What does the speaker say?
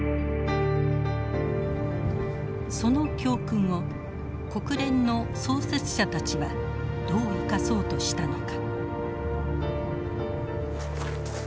その教訓を国連の創設者たちはどう生かそうとしたのか。